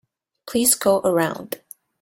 Please go around.